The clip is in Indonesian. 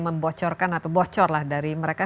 membocorkan atau bocor lah dari mereka